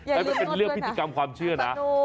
แต่มันเป็นเรื่องพิธีกรรมความเชื่อนะ